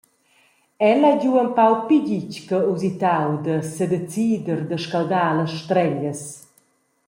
El ha giu empau pli gitg che usitau da sedecider da scaldar las streglias.